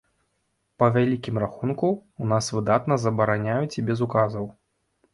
Па вялікім рахунку, у нас выдатна забараняюць і без указаў.